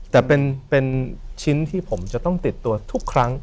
แต่เป็นชิ้นที่ผมจะต้องติดตัวทุกครั้ง